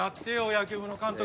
野球部の監督